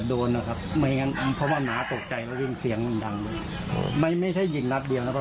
คุยกับยิงหัวอาหาร